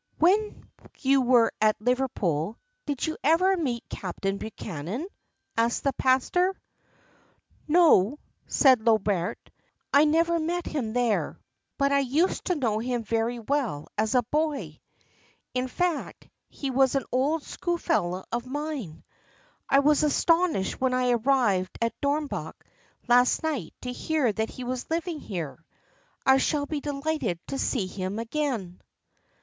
"When you were at Liverpool, did you ever meet Captain Buchman?" asked the pastor. "No," said Lobert, "I never met him there; but I used to know him very well as a boy; in fact, he was an old schoolfellow of mine. I was astonished when I arrived at Dornbach last night to hear that he was living here. I shall be delighted to see him again."